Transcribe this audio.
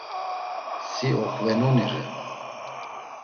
Si oxvenoni re.